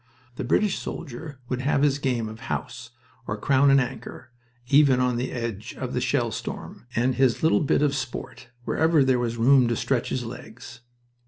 The British soldier would have his game of "house" or "crown and anchor" even on the edge of the shell storm, and his little bit of sport wherever there was room to stretch his legs.